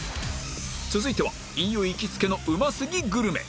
続いては飯尾行きつけのうますぎグルメ